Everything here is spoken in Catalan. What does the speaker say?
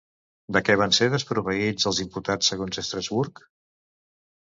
De què van ser desproveïts els imputats segons Estrasburg?